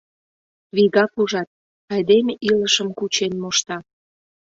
Вигак ужат: айдеме илышым кучен мошта.